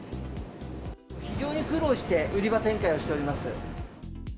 非常に苦労して売り場展開をしております。